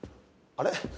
あれ？